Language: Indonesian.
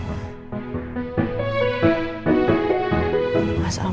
tunggu disini dulu ya